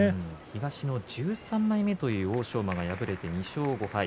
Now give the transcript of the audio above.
東の１３枚目という欧勝馬が敗れて２勝５敗。